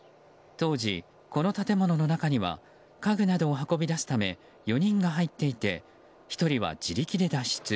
当時、この建物の中には家具などを運び出すため４人が入っていて１人は自力で脱出。